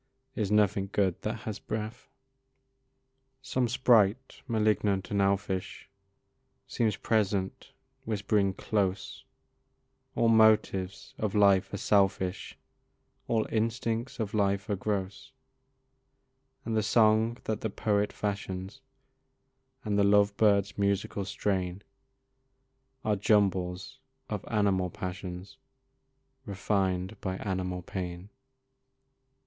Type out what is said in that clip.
Is nothing good that has breath? Some sprite, malignant and elfish, Seems present whispering close, "All motives of life are selfish, All instincts of life are gross; And the song that the poet fashions, And the love bird's musical strain, Are jumbles of animal passions, Refined by animal pain."